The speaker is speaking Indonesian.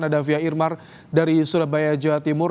ada fia irmar dari surabaya jawa timur